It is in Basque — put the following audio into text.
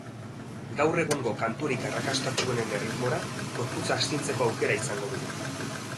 Gaur egungo kanturik arrakastatsuenen erritmora, gorputza astintzeko aukera izango dugu.